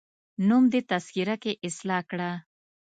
نوم دي تذکره کي اصلاح کړه